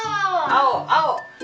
青青。